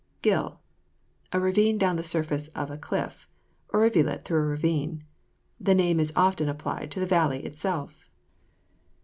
GILL. A ravine down the surface of a cliff; a rivulet through a ravine. The name is often applied also to the valley itself.